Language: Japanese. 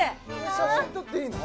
写真撮っていいの？